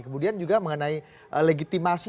kemudian juga mengenai legitimasi